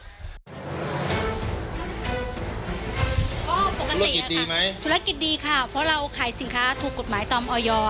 ธุรกิจดีไหมธุรกิจดีค่ะเพราะเราขายสินค้าถูกกฎหมายตามออยอร์ค่ะ